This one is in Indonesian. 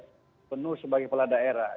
gubernur sebagai peladaerah